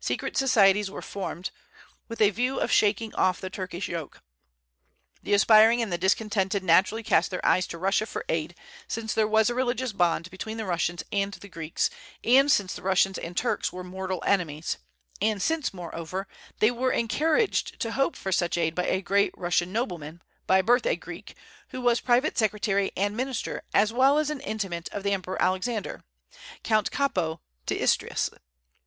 Secret societies were formed, with a view of shaking off the Turkish yoke. The aspiring and the discontented naturally cast their eyes to Russia for aid, since there was a religious bond between the Russians and the Greeks, and since the Russians and Turks were mortal enemies, and since, moreover, they were encouraged to hope for such aid by a great Russian nobleman, by birth a Greek, who was private secretary and minister, as well as an intimate, of the Emperor Alexander, Count Capo d'Istrias.